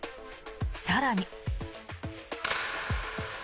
更に。